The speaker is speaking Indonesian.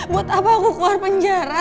buat apa aku keluar penjara